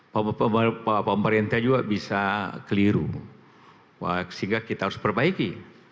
pak mbak yanta juga bisa keliru sehingga kita harus perbaiki